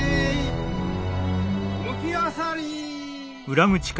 むきあさり。